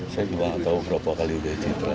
saya juga gak tahu berapa kali dia citra